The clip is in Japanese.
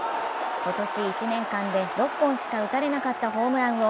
今年１年間で６本しか打たれなかったホームランを